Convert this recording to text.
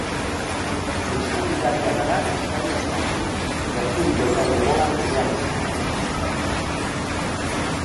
Eusko Gudariak gara Euskadi askatzeko, gerturik daukagu odola bere aldez emateko.